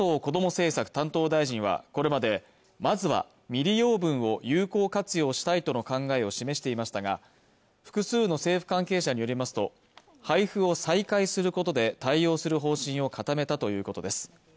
政策担当大臣はこれまでまずは未利用分を有効活用したいとの考えを示していましたが複数の政府関係者によりますと配布を再開することで対応する方針を固めたということです